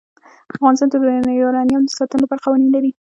افغانستان د یورانیم د ساتنې لپاره قوانین لري.